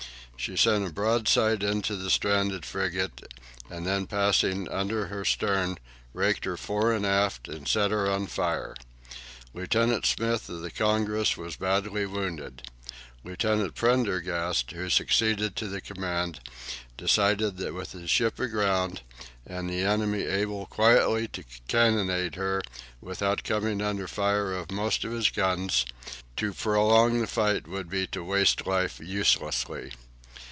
She sent a broadside into the stranded frigate, and then passing under her stern, raked her fore and aft and set her on fire. Lieutenant Smith, of the "Congress," was badly wounded. Lieutenant Prendergast, who succeeded to the command, decided that with his ship aground and the enemy able quietly to cannonade her without coming under fire of most of her guns, to prolong the fight would be to waste life uselessly.